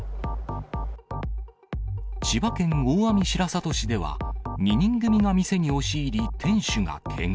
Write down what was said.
千葉県大網白里市では、２人組が店に押し入り、店主がけが。